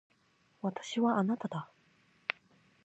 私はあなただ。